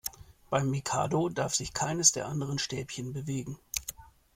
Beim Mikado darf sich keines der anderen Stäbchen bewegen.